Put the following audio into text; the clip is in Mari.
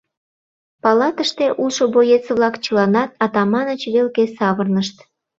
Палатыште улшо боец-влак чыланат Атаманыч велке савырнышт.